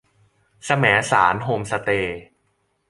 แสมสารโฮมสเตย์